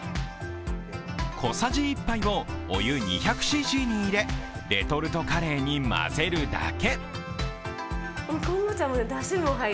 小さじ１杯をお湯２００ｃｃに入れレトルトカレーに混ぜるだけ。